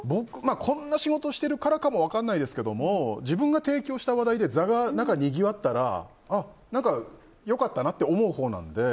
こんな仕事をしてるからかも分からないですが自分が提供した話題で場がにぎわったら良かったなって思うほうなので。